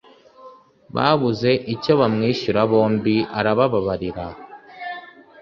babuze icyo bamwishyura bombi arabababarira